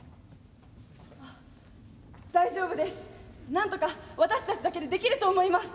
あ大丈夫です。なんとか私たちだけでできると思います。